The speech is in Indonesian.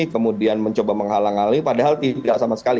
kemudian mencoba menghalang hali padahal tidak sama sekali